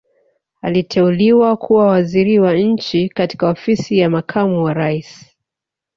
aliteuliwa kuwa Waziri wa nchi katika ofisi ya makamu wa raisi